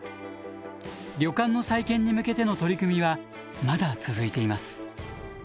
旅館の再建に向けての取り組みはまだ続いています。